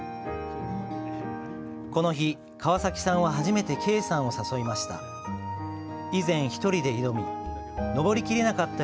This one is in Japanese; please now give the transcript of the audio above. この日、川崎さんは初めて慧さんを誘いました。